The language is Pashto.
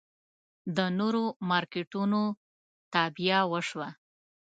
د نورو مارکېټونو تابیا وشوه.